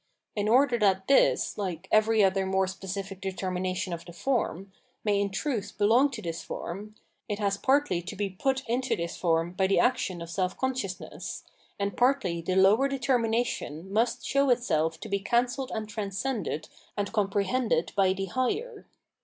In order that this, like every other more specific determination of the form, may in truth belong to this form, it has partly to be put into this form by the action of self consciousness, and partly the lower determination miist show itself to be cancelled and transcended and com prehended by the higher.